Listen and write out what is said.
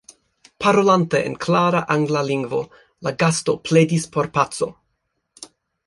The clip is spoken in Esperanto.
Parolante en klara angla lingvo, la gasto pledis por paco.